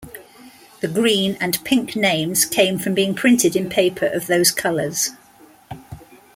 The "Green" and "Pink" names came from being printed in paper of those colours.